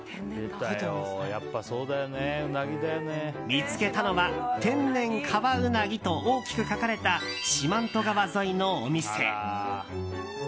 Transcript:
見つけたのは「天然川うなぎ」と大きく書かれた四万十川沿いのお店。